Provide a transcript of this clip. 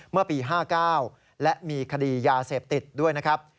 เมื่อปี๕๙และมีคดียาเสพติดด้วยนะครับ